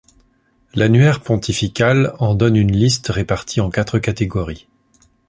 L'annuaire pontifical en donne une liste répartie en quatre catégories.